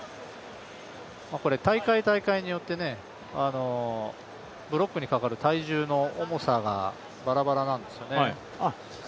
大会、大会によってブロックにかかる体重の重さがバラバラなんですよね。